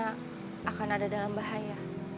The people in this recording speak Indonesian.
karena akan ada dalam bahaya